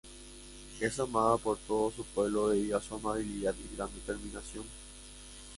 Es amada por todo su pueblo debido a su amabilidad y gran determinación.